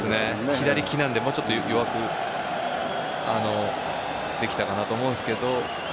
左利きなので、もうちょっと弱くできたかなと思いますが。